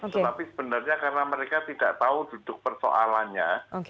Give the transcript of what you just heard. tetapi sebenarnya karena mereka tidak tahu duduk persoalannya